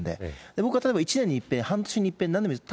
僕はたぶん、１年にいっぺん、半年にいっぺん、なんでもいいんです。